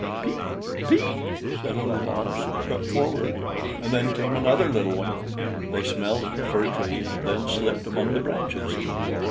"Piep! piep!" said a little Mouse, and crept forward, and then came another little one. They smelt at the Fir Tree, and then slipped among the branches.